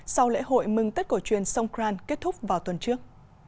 sau lễ hội mừng tết cổ truyền songkran kết thúc vào tuần trước